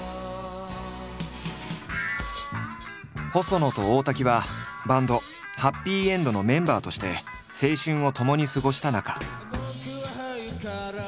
細野と大滝はバンドはっぴいえんどのメンバーとして青春をともに過ごした仲。